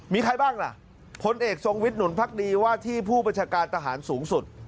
มีใครบ้างล่ะผลเอกทรงวิทย์หนุนพักดีว่าที่ผู้บัญชาการทหารสูงสุด